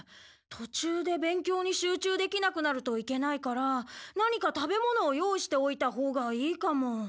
とちゅうで勉強に集中できなくなるといけないから何か食べ物を用意しておいたほうがいいかも。